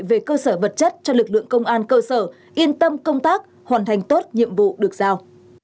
về cơ sở vật chất cho lực lượng công an cơ sở yên tâm công tác hoàn thành tốt nhiệm vụ được giao